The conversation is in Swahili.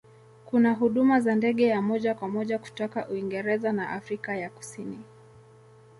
Kuna huduma za ndege ya moja kwa moja kutoka Uingereza na Afrika ya Kusini.